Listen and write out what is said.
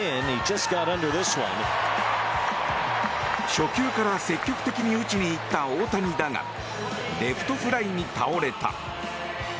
初球から積極的に打ちにいった大谷だがレフトフライに倒れた。